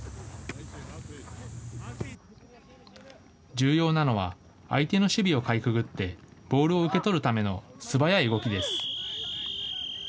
重要なのは相手の守備をかいくぐってボールを受け取るための素早い動きです。